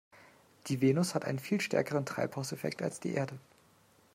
Die Venus hat einen viel stärkeren Treibhauseffekt als die Erde.